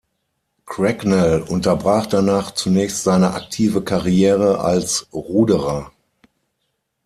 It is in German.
Cracknell unterbrach danach zunächst seine aktive Karriere als Ruderer.